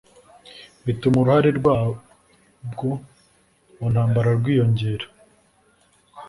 bituma uruhare rwabwo mu ntambara rwiyongera.